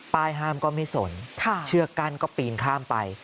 ห้ามก็ไม่สนเชือกกั้นก็ปีนข้ามไป